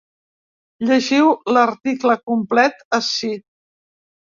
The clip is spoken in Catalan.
Llegiu l’article complet ací.